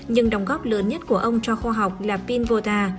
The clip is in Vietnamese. nhưng đóng góp lớn nhất của ông cho khoa học là pin volta